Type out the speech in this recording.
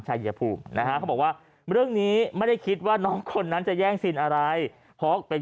ชายภูมินะฮะเขาบอกว่าเรื่องนี้ไม่ได้คิดว่าน้องคนนั้นจะแย่งซีนอะไรเพราะเป็น